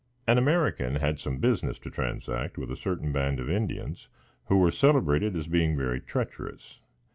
An American had some business to transact with a certain band of Indians, who were celebrated as being very treacherous.